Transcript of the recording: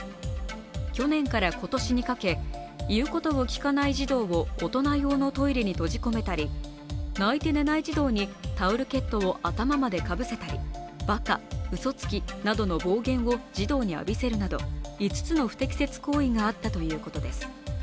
去年から今年にかけ言うことをきかない児童を大人用のトイレに閉じ込めたり、泣いて寝ない児童にタオルケットを頭までかけたり「ばか」、「うそつき」などの暴言を児童に浴びせるなど５つの不適切行為があったということです。